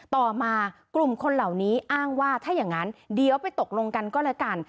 ต่อมากลุ่มคนเหล่านี้อ้างว่าถ้าอย่างนั้นเดี๋ยวไปตกลงกันก็แล้วกัน